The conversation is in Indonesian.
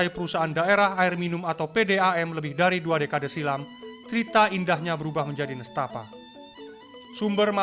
perarti skrimding yang biasa